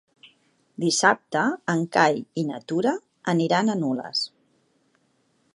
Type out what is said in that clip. Dissabte en Cai i na Tura aniran a Nulles.